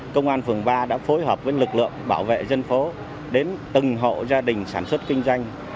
công an phường ba đã phối hợp với lực lượng bảo vệ dân phố đến từng hộ gia đình sản xuất kinh doanh